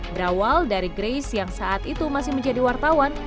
berawal dari grace yang saat itu masih menjadi wartawan